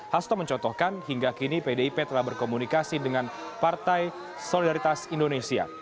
hasto mencontohkan hingga kini pdip telah berkomunikasi dengan partai solidaritas indonesia